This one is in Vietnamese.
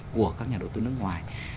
của các nhà đầu tư nước ngoài